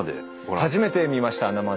初めて見ました生で。